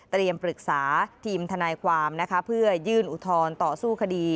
ปรึกษาทีมทนายความนะคะเพื่อยื่นอุทธรณ์ต่อสู้คดี